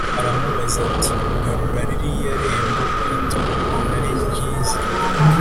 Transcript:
aramubaza ati: “Urarora ririya rembo rito ukuntu ari ryiza